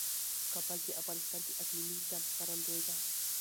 کابل د افغانستان د اقلیمي نظام ښکارندوی ده.